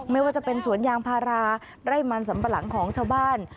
ไม่ว่าจะเป็นสวนยางพาราไร่มันสัมปะหลังของชาวบ้าน